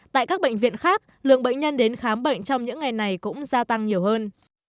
tại các bệnh viện khác lượng bệnh nhân đến khám bệnh trong những ngày này cũng gia tăng nhiều hơn